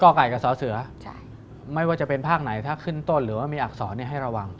ไก่กับสเสือไม่ว่าจะเป็นภาคไหนถ้าขึ้นต้นหรือว่ามีอักษรให้ระวัง